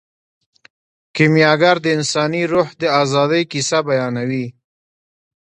کیمیاګر د انساني روح د ازادۍ کیسه بیانوي.